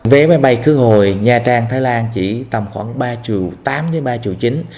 vé máy bay cứu hồi nha trang thái lan chỉ tầm khoảng tám chín triệu